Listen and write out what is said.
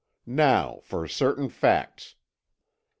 "Now for certain facts.